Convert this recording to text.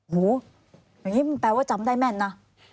โหแปลว่าจำได้แม่นนะ